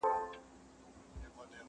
چيري ترخه بمبل چيري ټوکيږي سره ګلونه